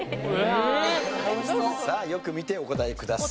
さあよく見てお答えください。